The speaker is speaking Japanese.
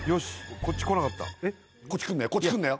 こっち来んなよ